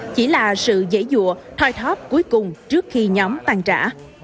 chỉ là sự dễ dụa thoi thóp cuối cùng trước khi nhóm tàn trả